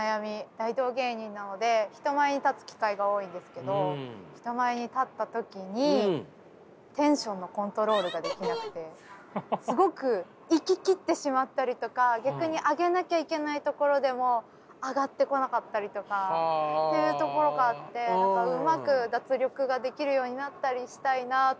大道芸人なので人前に立つ機会が多いんですけど人前に立った時にすごく行き切ってしまったりとか逆に上げなきゃいけないところでも上がってこなかったりとかっていうところがあってうまく脱力ができるようになったりしたいなと。